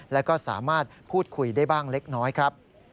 แล้วก็สามารถพูดคุยได้บ้างเล็กน้อยครับ